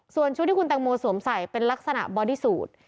ส่วนชุดที่คุณแตงโมสวมใส่เป็นลักษณะบอดี้สูตร